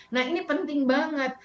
nah ini penting banget